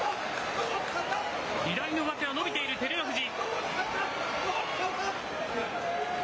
左の上手は伸びている照ノ富士。